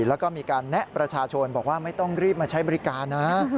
แล้วก็มีการแนะประชาชนบอกว่าไม่ต้องรีบมาใช้บริการนะ